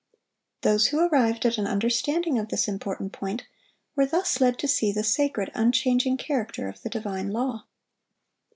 Those who arrived at an understanding of this important point, were thus led to see the sacred, unchanging character of the divine law.